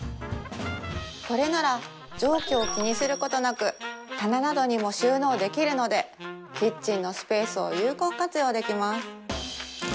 これなら蒸気を気にすることなく棚などにも収納できるのでキッチンのスペースを有効活用できます